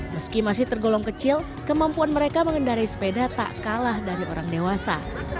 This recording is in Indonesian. meski masih tergolong kecil kemampuan mereka mengendarai sepeda tak kalah dari orang dewasa